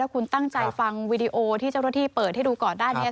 ถ้าคุณตั้งใจฟังวีดีโอที่เจ้ารถที่เปิดที่ดูก่อนด้านนี้